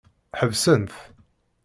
Ḥebsen-t.